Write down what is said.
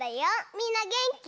みんなげんき？